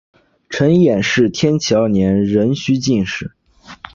陈演是天启二年壬戌进士。